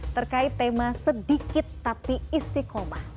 terkait tema sedikit tapi istiqomah